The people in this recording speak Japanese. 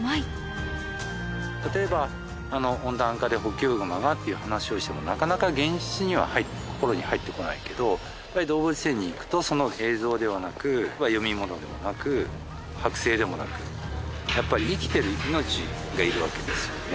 例えば温暖化でホッキョクグマがっていう話をしてもなかなか現実には心に入ってこないけど動物園に行くとその映像ではなく読み物でもなく剥製でもなくやっぱり生きてる命がいるわけですよね。